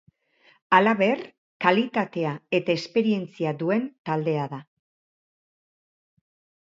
Halaber, kalitatea eta esperientzia duen taldea da.